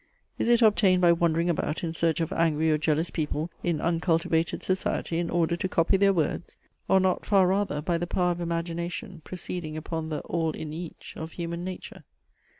Is it obtained by wandering about in search of angry or jealous people in uncultivated society, in order to copy their words? Or not far rather by the power of imagination proceeding upon the all in each of human nature?